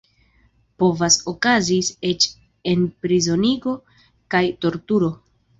Povas okazis eĉ enprizonigo kaj torturo.